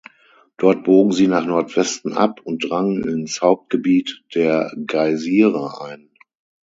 Dort bogen sie nach Nordwesten ab und drangen ins Hauptgebiet der Geysire ein.